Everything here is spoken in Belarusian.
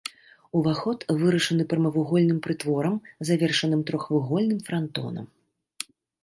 Уваход вырашаны прамавугольным прытворам, завершаным трохвугольным франтонам.